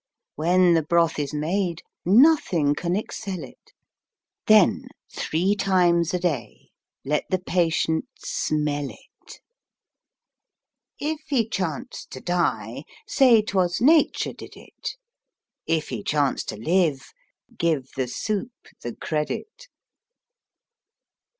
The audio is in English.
When the broth is made, Nothing can cxcell it: Then three times a day Let the patient smell it. If he chance to die. Say 'twas Nature did it: If ho chance to live, Give the soup the credit.